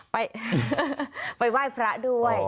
ไปไหว้พระด้วย